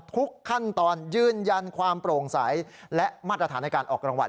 ทุกขั้นตอนยืนยันความโปร่งใสและมาตรฐานในการออกรางวัล